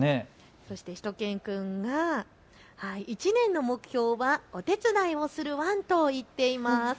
しゅと犬くんが、１年の目標はお手伝いをするワンと言っています。